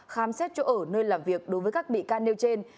khám xét chỗ ở nơi làm việc đối với các bị can nêu trên